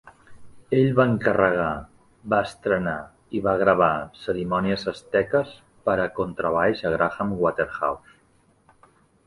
Ell va encarregar, va estrenar i va gravar "Cerimònies asteques" per a contrabaix a Graham Waterhouse.